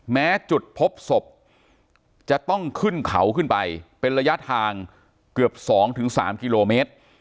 แม้จุดพบศพจะต้องขึ้นเขาขึ้นไปเป็นระยะทางเกือบ๒๓กิโลเมตร